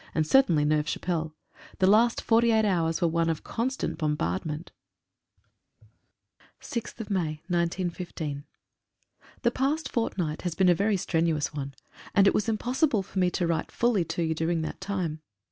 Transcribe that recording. and certainly Neuve Chapelle. The last forty eight hours were one constant bombardment. 57 A FORCED MARCH. 6/5/15. HE past fortnight has been a very strenuous one, and it was impossible for me to write fully to you during that time.